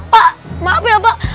pak maaf ya pak